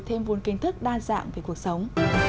thêm vốn kiến thức đa dạng về cuộc sống